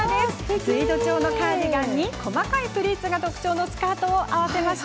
ツイード調のカーディガンに細かいプリーツが特徴のスカートを合わせました。